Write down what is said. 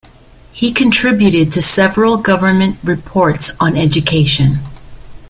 He contributed to several government reports on education.